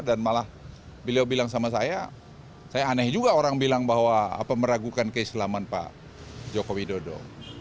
dan malah beliau bilang sama saya saya aneh juga orang bilang bahwa meragukan keislaman pak jokowi dodo